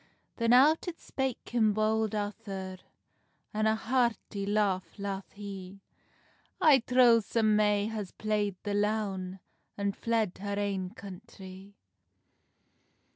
Then out it spake him Bold Arthur, An a hearty laugh laugh he: "I trow some may has playd the loun, And fled her ain country."